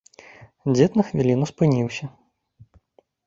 Дзед на хвіліну спыніўся.